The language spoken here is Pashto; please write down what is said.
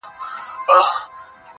o دي مــــړ ســي.